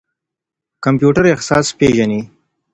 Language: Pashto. کمپيوټر احساس پېژني.